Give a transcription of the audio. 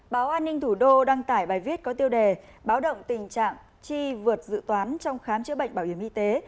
báo an ninh thủ đô đăng tải bài viết có tiêu đề báo động tình trạng chi vượt dự toán trong khám chữa bệnh bảo hiểm y tế